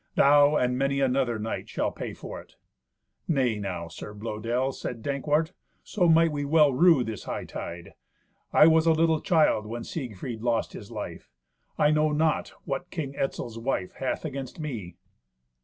Thou and many another knight shall pay for it." "Nay now, Sir Blœdel," said Dankwart. "So might we well rue this hightide. I was a little child when Siegfried lost his life. I know not what King Etzel's wife hath against me."